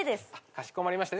かしこまりました。